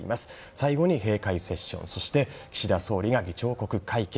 最後に閉会セッションそして岸田総理が議長国会見。